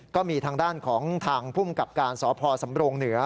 ก็มีทางด้านของทางภูมิกับการสพสำรงเหนือ